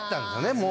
もう。